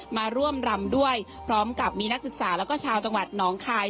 มาร่วมรำด้วยพร้อมกับมีนักศึกษาแล้วก็ชาวจังหวัดน้องคาย